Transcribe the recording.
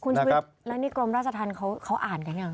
คุณที่พิษแล้วนี่กรมราชทันเขาอ่านกันยัง